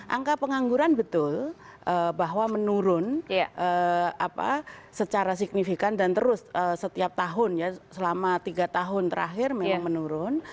angka pengangguran betul bahwa menurun secara signifikan dan terus setiap tahun ya selama tiga tahun terakhir memang menurun